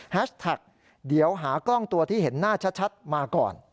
แท็กเดี๋ยวหากล้องตัวที่เห็นหน้าชัดมาก่อน